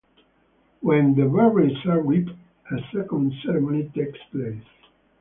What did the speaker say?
When the berries are ripe, a second ceremony takes place.